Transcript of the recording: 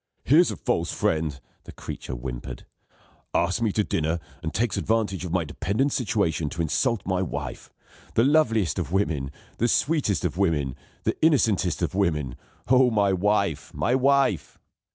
"Here's a false friend!" the creature whimpered. "Asks me to dinner, and takes advantage of my dependent situation to insult my wife. The loveliest of women, the sweetest of women, the innocentest of women. Oh, my wife! my wife!"